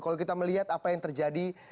kalau kita melihat apa yang terjadi